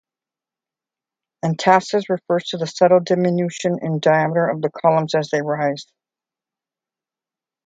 "Entasis" refers to the subtle diminution in diameter of the columns as they rise.